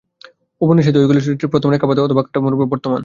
উপনিষদে যেন ঐগুলি চিত্রের প্রথম রেখাপাত অথবা কাঠামোরূপে বর্তমান।